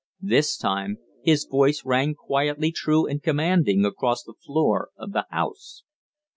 This time his voice rang quietly true and commanding across the floor of the House.